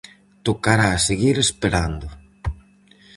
Tocará seguir esperando.